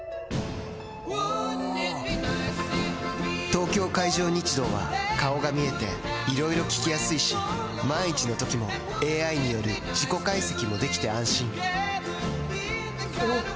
東京海上日動は顔が見えていろいろ聞きやすいし万一のときもＡＩによる事故解析もできて安心おぉ！